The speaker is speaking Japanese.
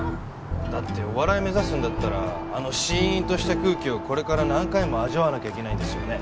だってお笑い目指すんだったらあのシーンとした空気をこれから何回も味わわなきゃいけないんですよね？